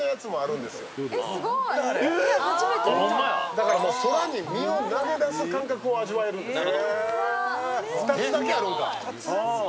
だから空に身を投げ出す感覚を味わえるんですよ。